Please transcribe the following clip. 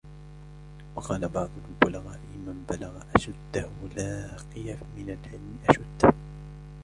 وَقَالَ بَعْضُ الْبُلَغَاءِ مَنْ بَلَغَ أَشُدَّهُ لَاقِي مِنْ الْعِلْمِ أَشُدَّهُ